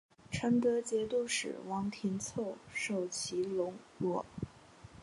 成德节度使王廷凑受其笼络。